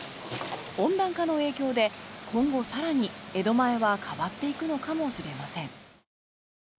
温暖化の影響で今後、更に江戸前は変わっていくのかもしれません。